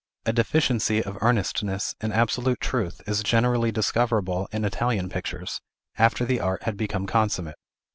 A deficiency of earnestness and absolute truth is generally discoverable in Italian pictures, after the art had become consummate.